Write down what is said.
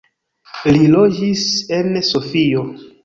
Li loĝis en Sofio.